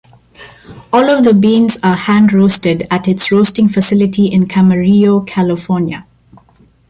All of the beans are hand-roasted at its roasting facility in Camarillo, California.